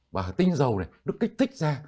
và tinh dầu này nó kích thích ra